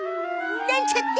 なんちゃって。